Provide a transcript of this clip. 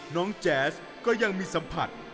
แจ๊สก็ยังมีสัมผัส